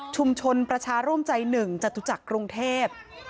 ชุมชนประชาร่วมใจหนึ่งจตุจักรกรุงเทพฯ